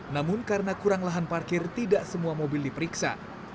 namun karena kurang lahan parkir tidak semua mobil diperiksa